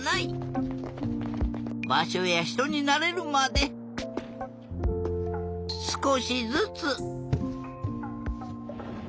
ばしょやひとになれるまですこしずつ。